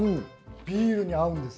ビールに合うんです。